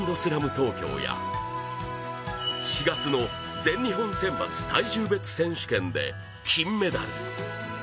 東京や４月の全日本選抜体重別選手権で金メダル。